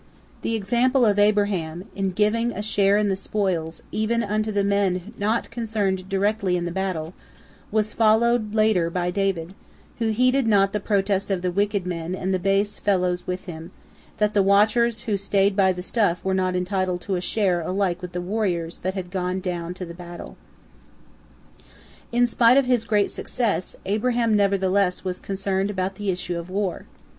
The example of Abraham in giving a share in the spoils even unto the men not concerned directly in the battle, was followed later by David, who heeded not the protest of the wicked men and the base fellows with him, that the watchers who staid by the stuff were not entitled to share alike with the warriors that had gone down to the battle. In spite of his great success, Abraham nevertheless was concerned about the issue of the war.